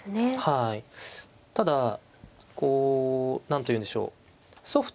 ただこう何というんでしょう